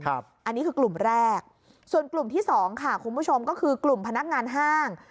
อันนี้คือกลุ่มแรกส่วนกลุ่มที่สองค่ะคุณผู้ชมก็คือกลุ่มพนักงานห้าง